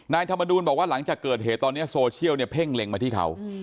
ธรรมนูลบอกว่าหลังจากเกิดเหตุตอนนี้โซเชียลเนี่ยเพ่งเล็งมาที่เขา